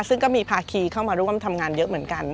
ซึ่งก็มีภาคีเข้ามาร่วมทำงานเยอะเหมือนกัน